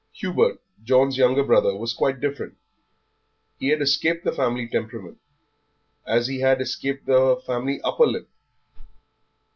Hubert, John's younger brother, was quite different. He had escaped the family temperament, as he had escaped the family upper lip.